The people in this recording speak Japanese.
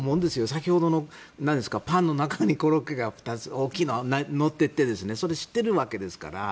先ほどのパンの中にコロッケが大きいのが乗っていてそれを知っているわけですから。